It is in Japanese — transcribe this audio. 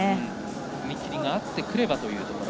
踏み切りが合ってくればというところ。